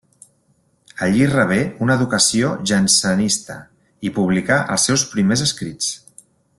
Allí rebé una educació jansenista i publicà els seus primers escrits.